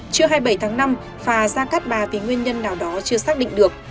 trưa hai mươi bảy tháng năm phà ra cát bà vì nguyên nhân nào đó chưa xác định được